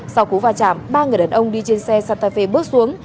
sau cú vào trạm ba người đàn ông đi trên xe santa fe bước xuống